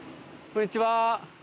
こんにちは。